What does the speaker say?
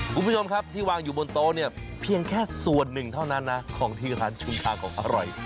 คุณผู้ชมครับที่วางอยู่บนโต๊ะเนี่ยเพียงแค่ส่วนหนึ่งเท่านั้นนะของที่ร้านชุมทางของอร่อย